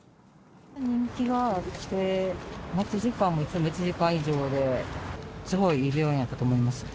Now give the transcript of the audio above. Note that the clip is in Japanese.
人気があって、待ち時間もいつも１時間以上で、すごいいい病院やったと思います。